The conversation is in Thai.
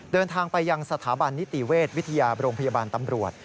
เดินทางไปยังสถาบันนิติเวชวิทยาโรงพยาบาลตำรวจ